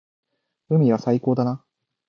海は最高だな。